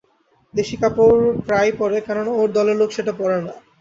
দেশী কাপড় প্রায়ই পরে, কেননা ওর দলের লোক সেটা পরে না।